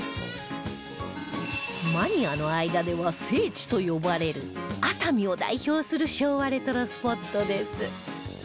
マニアの間では聖地と呼ばれる熱海を代表する昭和レトロスポットです